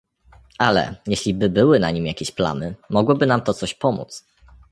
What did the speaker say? "Ale, jeśliby były na nim jakieś plamy, mogłoby nam to coś pomóc."